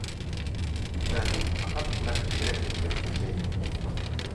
Ә һин анһат ҡына кешегә этлек эшләйһең.